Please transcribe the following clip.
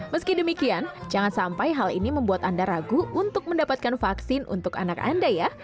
meski demikian jangan sampai hal ini membuat anda ragu untuk mendapatkan vaksin untuk anak anda ya